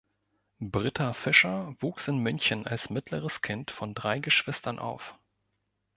Britta Fischer wuchs in München als mittleres Kind von drei Geschwistern auf.